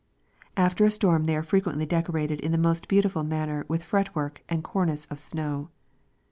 • After a storm they are frequently decorated in the most beautiful manner with fretwork and cornice of snow.